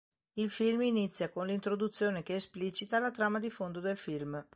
Il film inizia con l'introduzione che esplicita la trama di fondo del film.